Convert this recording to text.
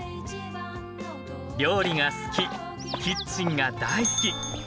料理が好きキッチンが大好き！